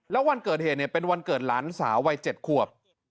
แล้ววันเกิดเหตุเนี่ยเป็นวันเกิดหลานสาววัย๗ขวบ